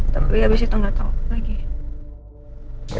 tapi abis itu gak tau lagi